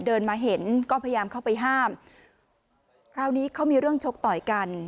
เดินมาเห็นก็พยายามเข้าไปห้ามคราวนี้เขามีเรื่องชกต่อยกัน